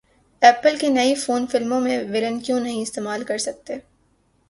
apple کے iPhone فلموں میں ولن کیوں نہیں استعمال کرسکتے